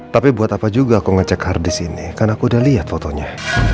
tapi buat apa juga aku ngecek hard disini kan aku udah liat fotonya